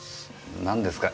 何ですか？